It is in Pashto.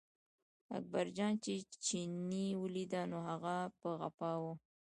اکبرجان چې چیني ولیده، نو هغه په غپا و.